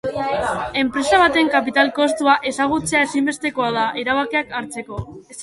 Enpresa baten kapital-kostua ezagutzea ezinbestekoa da, erabakiak hartzeko.